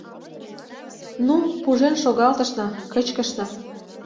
Ну, пужен шогалтышна, кычкышна.